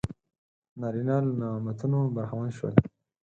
نارینه له نعمتونو برخمن شول.